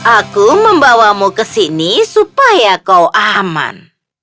aku membawamu ke sini supaya kau aman